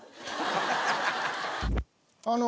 あの。